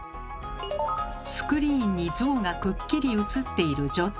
スクリーンに像がくっきり映っている状態